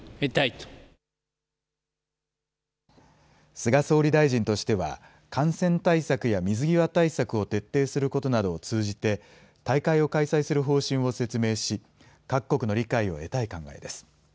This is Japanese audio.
菅総理大臣としては、感染対策や水際対策を徹底することなどを通じて、大会を開催する方針を説明し、各国の理解を得たい考えです。